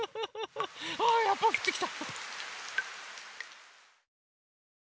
あやっぱりふってきた！